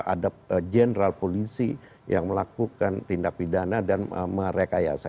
ada jenderal polisi yang melakukan tindak pidana dan merekayasa